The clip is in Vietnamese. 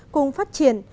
cùng phát triển